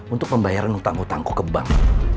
untuk membayar utang utang gue ke bank